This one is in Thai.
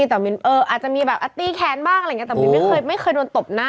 เอออาจจะมีแบบอัตตี้แค้นบ้างอะไรอย่างนี้แต่มีไม่เคยโดนตบหน้านะ